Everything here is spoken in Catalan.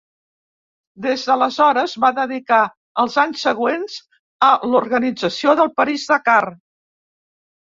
Des d'aleshores, va dedicar els anys següents a l'organització del París-Dakar.